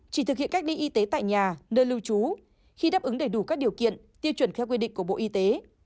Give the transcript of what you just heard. chỉ thực hiện cách ly y tế tại nhà nơi lưu trú khi đáp ứng đầy đủ các điều kiện tiêu chuẩn theo quy định của bộ y tế